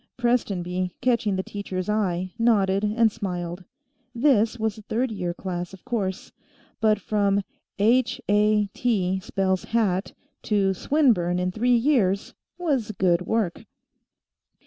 Prestonby, catching the teacher's eye, nodded and smiled. This was a third year class, of course, but from h a t spells hat to Swinburne in three years was good work.